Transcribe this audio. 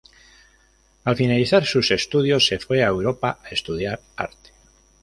Al finalizar sus estudios, se fue a Europa a estudiar Arte.